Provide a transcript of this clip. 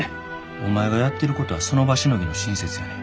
お前がやってることはその場しのぎの親切やねん。